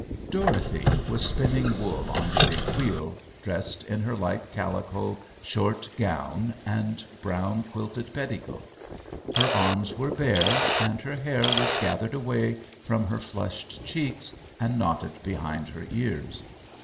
Dorothy was spinning wool on the big wheel, dressed in her light calico short gown and brown quilted petticoat; her arms were bare, and her hair was gathered away from her flushed cheeks and knotted behind her ears.